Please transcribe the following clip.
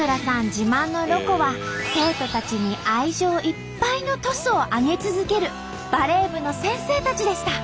自慢のロコは生徒たちに愛情いっぱいのトスをあげ続けるバレー部の先生たちでした！